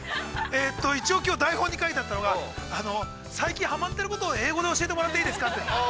◆一応きょう台本に書いてあるのが最近ハマっていることを英語で教えてもらっていいですか。